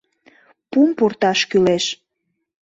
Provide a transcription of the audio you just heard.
Пум пурташ кӱлеш.